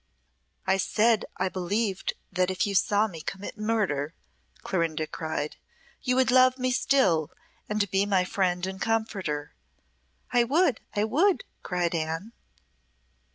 "I said that I believed that if you saw me commit murder," Clorinda cried, "you would love me still, and be my friend and comforter." "I would, I would!" cried Anne.